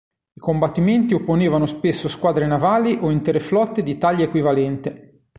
I combattimenti opponevano spesso squadre navali o intere flotte di taglia equivalente.